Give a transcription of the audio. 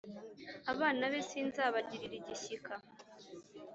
Abana be sinzabagirira igishyika,